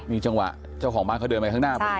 นี่จังหวะเจ้าของบ้านเขาเดินไปข้างหน้าผม